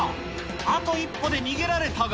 あと一歩で逃げられたが、